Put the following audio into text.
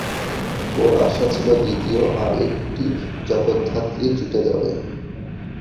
ওর আশা ছিল দ্বিতীয় আর একটি জগদ্ধাত্রী জুটে যাবে।